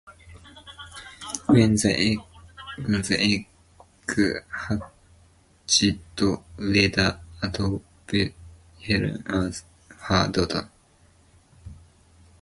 When the egg hatched, Leda adopted Helen as her daughter.